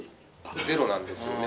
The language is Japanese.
ゼロなんですよね。